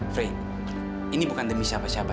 fred ini bukan demi siapa siapa